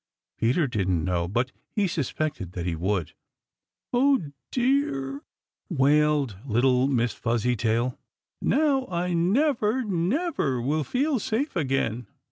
Peter didn't know, but he suspected that he would. "Oh, dear," wailed little Miss Fuzzytail. "Now, I never, never will feel safe again!"